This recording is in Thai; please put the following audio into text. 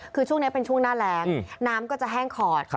คือช่วงนี้เป็นช่วงหน้าแรงน้ำก็จะแห้งขอด